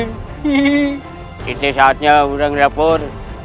sekarang saya harus berbohong